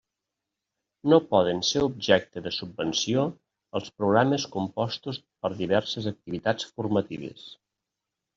No poden ser objecte de subvenció els programes compostos per diverses activitats formatives.